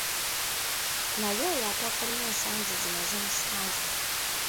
Naye oyo atakalina ensangi zino zimusanze.